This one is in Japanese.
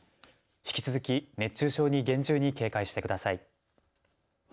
引き続き熱中症に厳重に警戒してください。